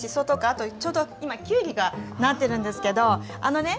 あとちょうど今きゅうりがなってるんですけどあのね